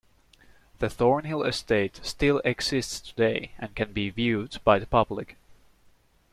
The Thornhill estate still exists today and can be viewed by the public.